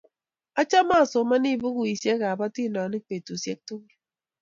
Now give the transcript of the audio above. Achame asomani pukuisyek ap atindonik petusyek tukul